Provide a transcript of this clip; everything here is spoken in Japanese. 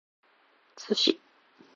Sushi